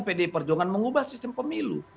pdi perjuangan mengubah sistem pemilu